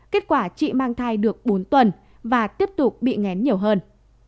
kết quả chị mang thai được bốn tuần và tiếp tục bị ngén nhiều hơn